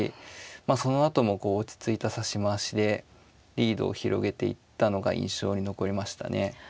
そのあともこう落ち着いた指し回しでリードを広げていったのが印象に残りましたね。